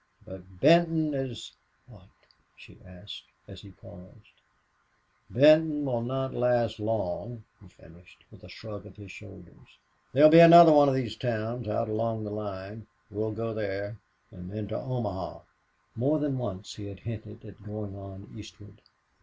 But Benton is " "What?" she asked, as he paused. "Benton will not last long," he finished, with a shrug of his shoulders. "There'll be another one of these towns out along the line. We'll go there. And then to Omaha." More than once he had hinted at going on eastward.